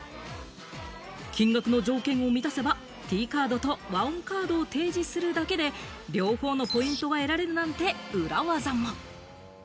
金額の条件を満たせばＴカードとＷＡＯＮカードを提示するだけで両方のポイントが得られるなんて裏技も。